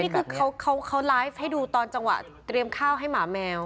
นี่คือเขาไลฟ์ให้ดูตอนจังหวะเตรียมข้าวให้หมาแมว